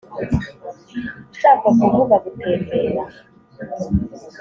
ushaka kuvuga, gutembera?